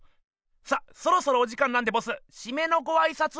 さあそろそろお時間なんでボスシメのごあいさつを。